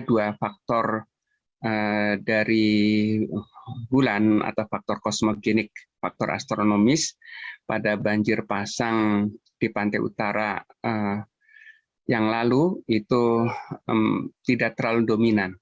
dua faktor dari bulan atau faktor kosmogenik faktor astronomis pada banjir pasang di pantai utara yang lalu itu tidak terlalu dominan